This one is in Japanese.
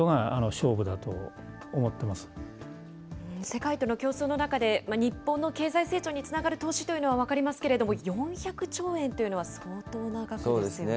世界との競争の中で、日本の経済成長につながる投資というのは分かりますけれども、４００兆円というのは相当な額ですよね。